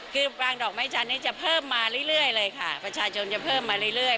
คือวางดอกไม้จันทร์นี้จะเพิ่มมาเรื่อยเลยค่ะประชาชนจะเพิ่มมาเรื่อย